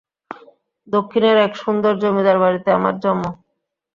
দক্ষিণের এক সুন্দর জমিদারবাড়িতে আমার জন্ম।